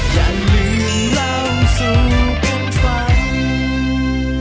โปรดติดตามตอนต่อไป